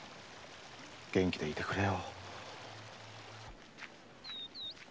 元気でいてくれよ。